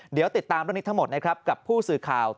เดี๋ยวติดตามเรื่องนี้ทั้งหมดนะครับกับผู้สื่อข่าว